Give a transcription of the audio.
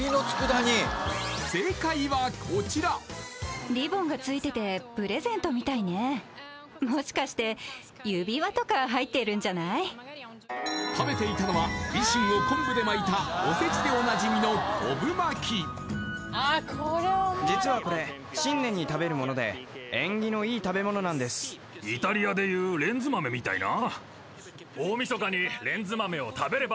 正解はこちら食べていたのはニシンを昆布で巻いたおせちでおなじみの昆布巻きあっこれは思わなかったみたいな？